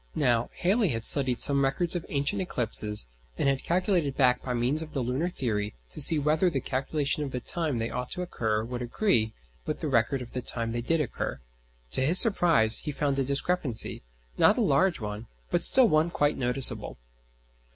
Now, Halley had studied some records of ancient eclipses, and had calculated back by means of the lunar theory to see whether the calculation of the time they ought to occur would agree with the record of the time they did occur. To his surprise he found a discrepancy, not a large one, but still one quite noticeable.